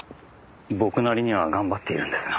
僕なりには頑張っているんですが。